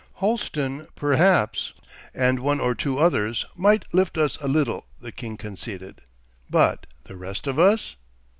'Holsten, perhaps, and one or two others, might lift us a little,' the king conceded. 'But the rest of us?